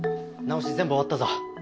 直し全部終わったぞ。